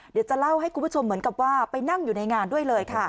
เดี๋ยวจะเล่าให้คุณผู้ชมเหมือนกับว่าไปนั่งอยู่ในงานด้วยเลยค่ะ